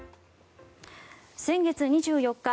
先月２４日